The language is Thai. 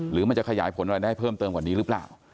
หรือมันจะขยายผลอะไรได้เพิ่มเติมกว่านี้หรือเปล่า